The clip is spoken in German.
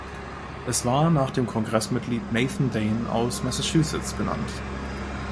Es war nach dem Kongress-Mitglied Nathan Dane aus Massachusetts benannt.